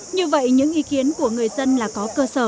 như vậy những ý kiến của người dân là có